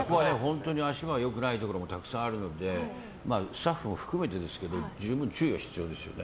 本当に足場が良くないところもたくさんあるのでスタッフも含めてですけど十分注意は必要ですよね。